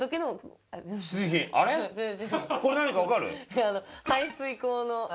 これ何かわかる？